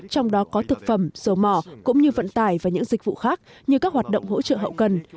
trong đó có thực phẩm dầu mỏ cũng như vận tải và những dịch vụ khác như các hoạt động hỗ trợ hậu cần